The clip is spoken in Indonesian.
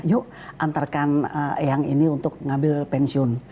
yuk antarkan yang ini untuk mengambil pensiun